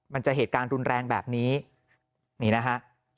มันจะเหตุการณ์รุนแรงแบบนี้นี่นะฮะ